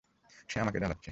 সে আমাকে জ্বলাচ্ছে।